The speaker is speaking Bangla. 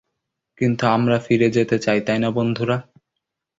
কিন্তু আমরা ফিরে যেতে চাই, তাই না বন্ধুরা?